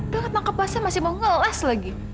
tengok tangkap bahasa masih mau ngeles lagi